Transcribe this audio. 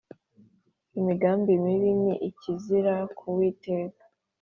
imigambi mibi ni ikizira ku uwiteka,